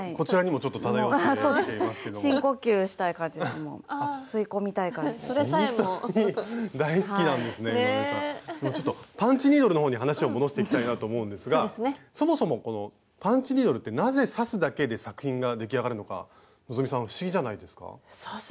ちょっとパンチニードルのほうに話を戻していきたいなと思うんですがそもそもこのパンチニードルってなぜ刺すだけで作品が出来上がるのか希さん不思議じゃないですか？